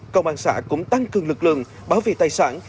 công an xã cũng tăng cường lực lượng bảo vệ tài sản